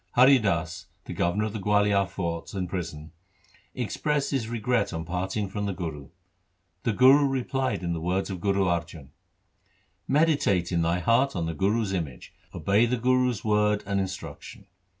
2 Hari Das, the governor of the Gualiar fort and prison, expressed his regret on parting from the Guru. The Guru replied in the words of Guru Arjan :— Meditate in thy heart on the Guru's image ; Obey the Guru's word and instruction.